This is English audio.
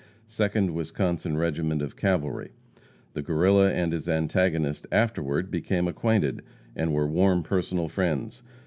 Second Wisconsin regiment of cavalry. The Guerrilla and his antagonist afterward became acquainted, and were warm personal friends.